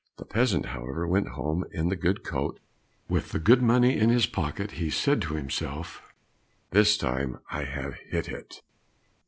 The peasant, however, went home in the good coat, with the good money in his pocket, and said to himself, "This time I have hit it!"